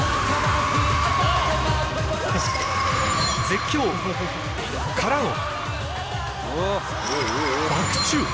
絶叫からの